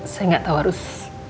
saya gak tau harus